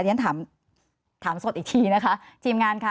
อย่างนั้นถามสดอีกทีนะคะทีมงานค่ะ